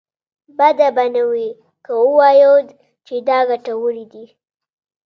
بده به نه وي که ووايو چې دا ګټورې دي.